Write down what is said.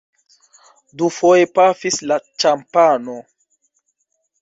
Dufoje pafis la ĉampano.